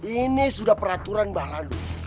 ini sudah peraturan mbah landu